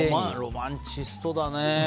ロマンチストだね。